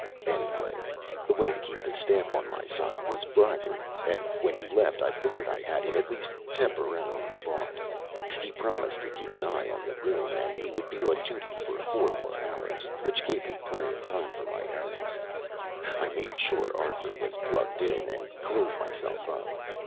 Anyway, the way to keep the staff on my side was by bribery, and when he left I figured I had him at least temporarily bought. He promised to keep an eye on the room and he would be on duty for four more hours which gave me plenty of time for my errands. I made sure Arthur was plugged in and cleaned myself up.